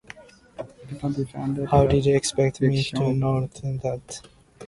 How did they expect me to know to do that?